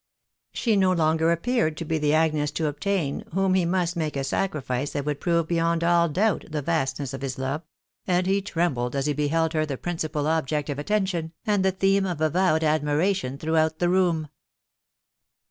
She no longer appeared to be the Agnes to obtain whom he must make a sacrifice that would prove beyond all doubt the vast ness of his love, and he trembled as he beheld her the principal object of attention and the theme of avowed admiration throughout the room.